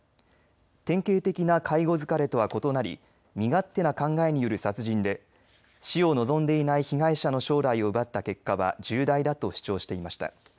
典型的な介護疲れとは異なり身勝手な考えによる殺人で死を望んでいない被害者の将来を奪った結果は重大だと主張していました。